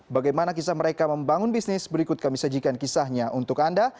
bagaimana kisah mereka membangun bisnis berikut kami sajikan kisahnya untuk anda